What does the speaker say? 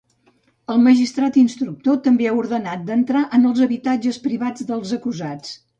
El magistrat instructor també ha ordenat d’entrar en els habitatges privats dels acusats.